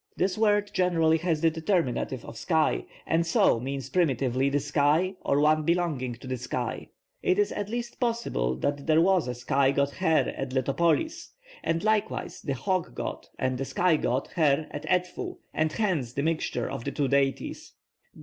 This word generally has the determinative of sky, and so means primitively the sky or one belonging to the sky. It is at least possible that there was a sky god her at Letopolis, and likewise the hawk god was a sky god her at Edfu, and hence the mixture of the two deities.